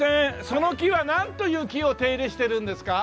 その木はなんという木を手入れしているんですか？